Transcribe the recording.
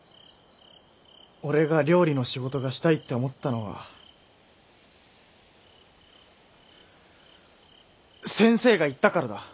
俺が料理の仕事がしたいって思ったのは先生が言ったからだ。